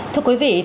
thưa quý vị